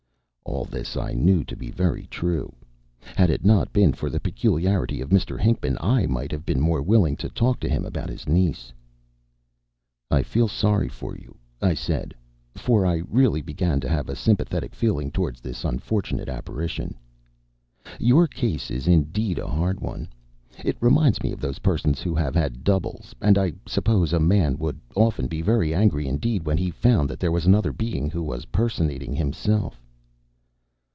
All this I knew to be very true. Had it not been for this peculiarity of Mr. Hinckman, I might have been more willing to talk to him about his niece. "I feel sorry for you," I said, for I really began to have a sympathetic feeling toward this unfortunate apparition. "Your case is indeed a hard one. It reminds me of those persons who have had doubles, and I suppose a man would often be very angry indeed when he found that there was another being who was personating himself."